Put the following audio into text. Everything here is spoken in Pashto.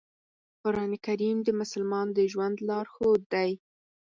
قرآن کریم د مسلمان د ژوند لارښود دی.